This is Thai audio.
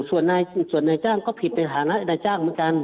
ส่วนนายจ้างก็ผิดในฐานะนายจ้างเหมือนกัน